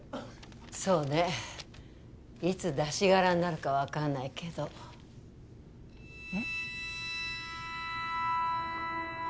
そうねいつ出し殻になるか分かんないけどえっ？